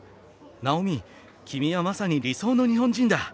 ナオミ君はまさに理想の日本人だ！